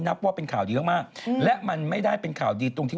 และที่สำคัญอาจจะมีสิ่งมีชีวิตบนดาวดวงนี้